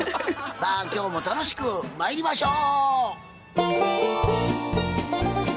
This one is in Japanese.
さあ今日も楽しくまいりましょう！